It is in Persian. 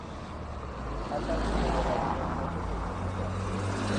پس از پیادهروی احساس تشنگی کرد.